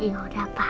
ya udah pak